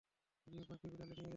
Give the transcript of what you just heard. জিহ্বা কি বিড়ালে নিয়ে গেছে?